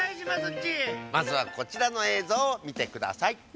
まずはこちらのえいぞうをみてください。